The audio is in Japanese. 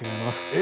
え！